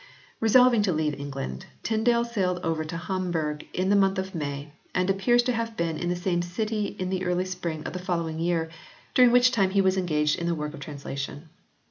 Resolving to leave England Tyndale sailed over to Hamburg in the month of May, and appears to have been in the same city in the early spring of the following year, during which time he was engaged in the work of translation.